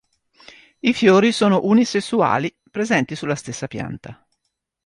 I fiori sono unisessuali, presenti sulla stessa pianta.